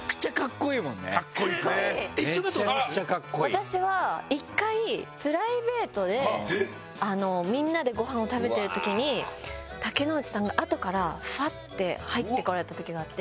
私は１回プライベートでみんなでごはんを食べてる時に竹野内さんが後からふわって入って来られた時があって。